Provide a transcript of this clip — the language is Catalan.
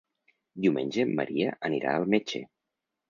Diumenge en Maria anirà al metge.